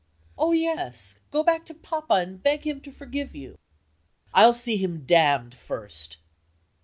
"Oh, yes! Go back to Papa, and beg him to forgive you." "I'll see him damned first!"